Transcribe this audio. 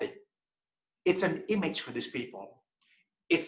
ini adalah gambar bagi orang orang ini